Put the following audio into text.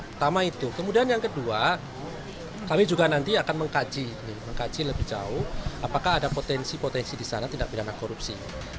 pertama itu kemudian yang kedua kami juga nanti akan mengkaji lebih jauh apakah ada potensi potensi di sana tindak pidana korupsi